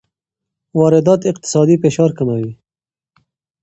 واردات اقتصادي فشار کموي.